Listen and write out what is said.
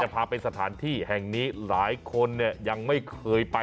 พาไปสถานที่แห่งนี้หลายคนยังไม่เคยไป